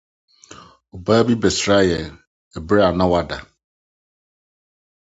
Ɔbea bi bɛsraa yɛn bere a na woda.